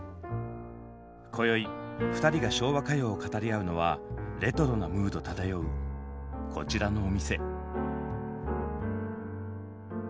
こよい２人が昭和歌謡を語り合うのはレトロなムード漂うこちらのお店。